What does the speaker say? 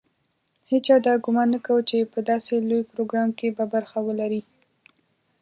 هېچا دا ګومان نه کاوه چې په داسې لوی پروګرام کې به برخه ولري.